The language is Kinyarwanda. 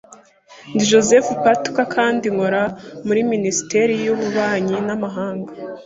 Ndi Josef Patočka kandi nkora muri Minisiteri y’ububanyi n’amahanga.